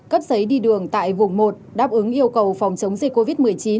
cấp giấy đi đường tại vùng một đáp ứng yêu cầu phòng chống dịch covid một mươi chín